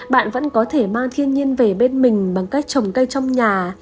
bạn vẫn có thể mang thiên nhiên về bên mình bằng cách trồng cây trong nhà